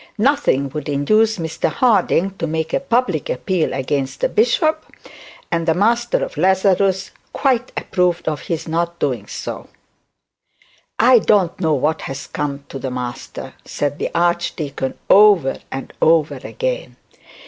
Nothing would induce Mr Harding to make a public appeal against the bishop; and the Master of Lazarus quite approved of his not doing so. 'I don't know what has come to the Master,' said the archdeacon over and over again.